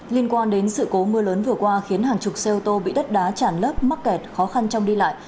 liên quan đến sự cố mưa lớn vừa qua khiến hàng chục xe ô tô bị đất đá chản lấp mắc kẹt khó khăn trong đi lại